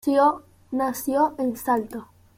Nació en Salto.